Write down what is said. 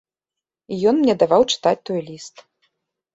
Ён мне даваў чытаць той ліст.